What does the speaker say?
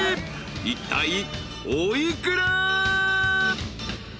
［いったいお幾ら？］